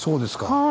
はい。